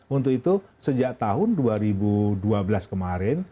untuk itu sejak tahun dua ribu dua belas kemarin